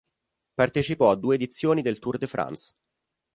Partecipò a due edizioni del Tour de France.